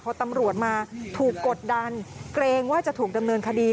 พอตำรวจมาถูกกดดันเกรงว่าจะถูกดำเนินคดี